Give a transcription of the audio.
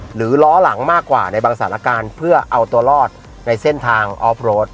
หรือล้อหลังมากกว่าในบางสถานการณ์เพื่อเอาตัวรอดในเส้นทางออฟโรด